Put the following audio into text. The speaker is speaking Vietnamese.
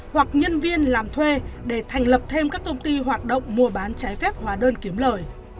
hoặc nhân viên làm thuê để thành lập thêm các công ty hoạt động mua bán trái phép hóa đơn kiếm lời